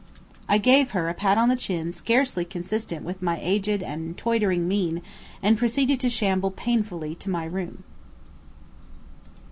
I gave her a pat on the chin scarcely consistent with my aged and tottering mien and proceeded to shamble painfully to my room.